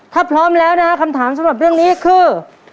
ถ้าพร้อมแล้วนะครับคำถามสำหรับเรื่องนี้คือ